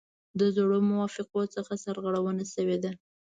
د زړو موافقو څخه سرغړونه شوې ده.